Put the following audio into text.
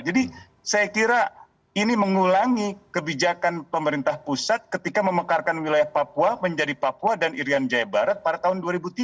jadi saya kira ini mengulangi kebijakan pemerintah pusat ketika memekarkan wilayah papua menjadi papua dan irian jaya barat pada tahun dua ribu tiga